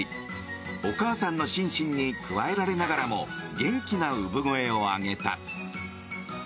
お母さんのシンシンにくわえられながらも元気な産声を上げた。